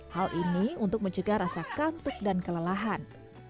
hal ini untuk mencegah rasa kantuk dan kelelahan